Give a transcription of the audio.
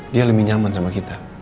dia lebih nyaman sama kita